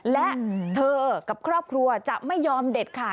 และเธอกับครอบครัวจะไม่ยอมเด็ดขาด